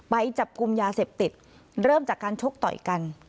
ไปจับกลุ่มยาเสพติดเริ่มจากการชกต่อยกัน